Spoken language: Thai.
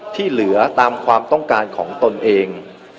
ที่เหลือตามความต้องการของตนเอง